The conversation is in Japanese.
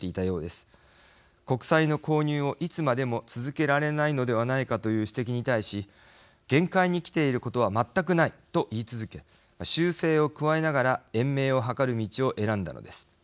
国債の購入をいつまでも続けられないのではないかという指摘に対し限界に来ていることは全くないと言い続け修正を加えながら延命をはかる道を選んだのです。